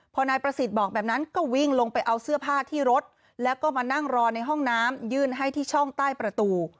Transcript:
พอนายประสิทธิ์บอกแบบนั้นก็วิ่งลงไปเอาเสื้อผ้าที่รถแล้วก็มานั่งรอในห้องน้ำยื่นให้ที่ช่องใต้ประตู